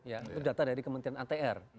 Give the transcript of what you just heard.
itu data dari kementerian atr